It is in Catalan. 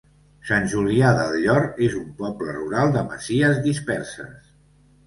Sant Julià del Llor és un poble rural de masies disperses.